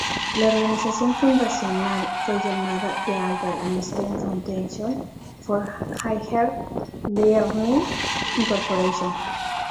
La organización fundacional fue llamada ""The Albert Einstein Foundation for Higher Learning, Inc.